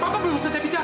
pak udah pak